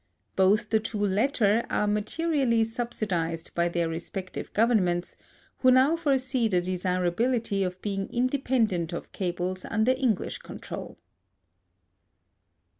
Both the two latter are materially subsidized by their respective Governments, who now foresee the desirability of being independent of cables under English control.